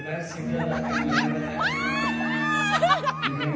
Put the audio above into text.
ไม่อยู่ช่วงที่หัวใจมีอะไรอยู่